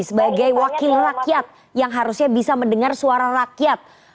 sebagai wakil rakyat yang harusnya bisa mendengar suara rakyat